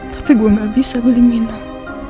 tapi gue gak bisa beli minat